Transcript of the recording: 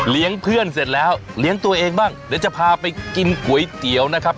เพื่อนเสร็จแล้วเลี้ยงตัวเองบ้างเดี๋ยวจะพาไปกินก๋วยเตี๋ยวนะครับ